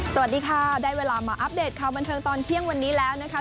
สวัสดีค่ะได้เวลามาอัปเดตข่าวบันเทิงตอนเที่ยงวันนี้แล้วนะคะ